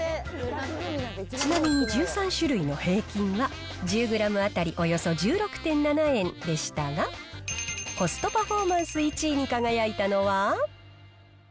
ちなみに１３種類の平均は１０グラム当たりおよそ１６．７円でしたが、コストパフォーマンス１位に輝いたのは。